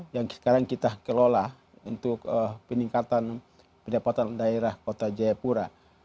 yang sekarang kita kelola untuk peningkatan pendapatan daerah kota jayapura